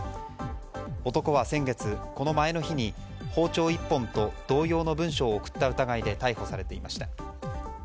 男は先月、この前の日に包丁１本と同様の文書を送った疑いで逮捕されていました。